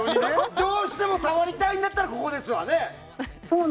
どうしても触りたいんだったらここですわね。